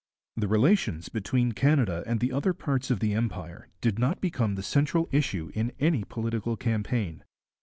The relations between Canada and the other parts of the Empire did not become the central issue in any political campaign.